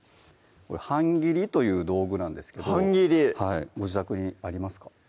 半切りという道具なんですけど半切りご自宅にありますか？